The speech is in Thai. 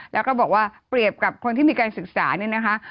แล้วก็บอกว่าเปรียบกับคนที่มีการศึกษาเนี่ยนะคะ